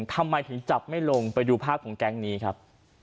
ทำไมถึงจับไม่ลงไปดูภาพของแก๊งนี้ครับ